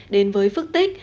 đến với phước tích